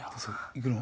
行くの？